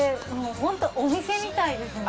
ホントお店みたいですね。